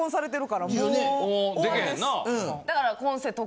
だから。